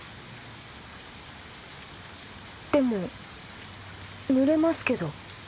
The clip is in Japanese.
でも濡れますけど。